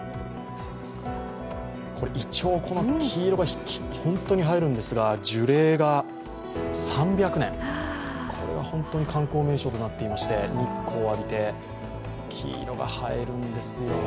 いちょうの黄色が本当に映えるんですが、樹齢が３００年、これはホントに観光名所となっていまして、日光を浴びて黄色が映えるんですよ。